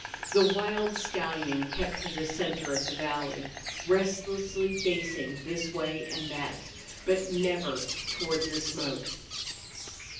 The wild stallion kept to the center of the valley, restlessly facing this way and that, but never toward the smoke.